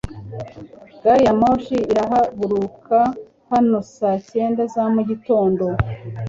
Gari ya moshi irahaguruka hano saa cyenda za mugitondo